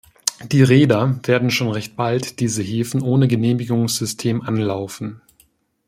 Die Reeder werden schon recht bald diese Häfen ohne Genehmigungssystem anlaufen.